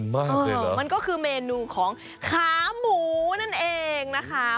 มันก็คือเมนูของขาหมูนั่นเองนะคะ